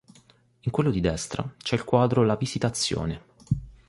In quello di destra c'è il quadro la "Visitazione".